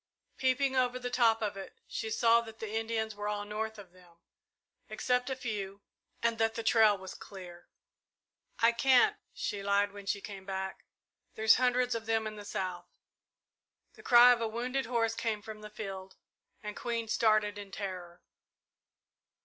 Peeping over the top of it, she saw that the Indians were all north of them, except a few, and that the trail was clear. "I can't," she lied, when she came back. "There's hundreds of them in the south." The cry of a wounded horse came from the field, and Queen started in terror.